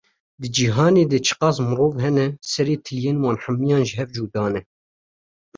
Di cîhanê de çiqas mirov hene, serê tiliyên wan hemiyan ji hev cuda ne!